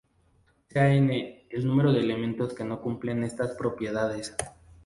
Sea N el número de elementos que no cumplen estas propiedades.